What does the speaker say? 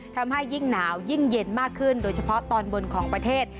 ทำให้ยิ่งหนาวยิ่งเย็นมากขึ้นโดยเฉพาะตอนบนของประเทศ